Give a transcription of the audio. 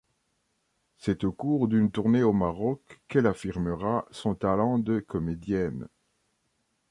C'est au cours d'une tournée au Maroc qu'elle affirmera son talent de comédienne.